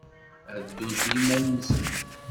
Ad ddunt i yiman-nsent.